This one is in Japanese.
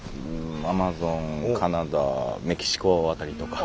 アマゾンカナダメキシコ辺りとか。